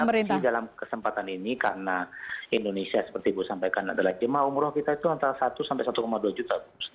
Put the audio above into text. saya berharap sih dalam kesempatan ini karena indonesia seperti bu sampaikan adalah jemaah umur kita itu antara satu sampai satu dua juta setahun